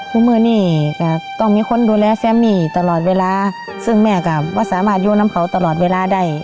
เมื่อมือนี้ก็ต้องมีคนดูแลแซมมี่ตลอดเวลาซึ่งแม่ก็ว่าสามารถโยนน้ำเผาตลอดเวลาได้